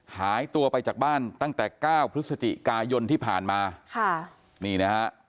หายตัวไปจากบ้านตั้งแต่เก้าพฤศจิกายนที่ผ่านมาค่ะนี่นะฮะ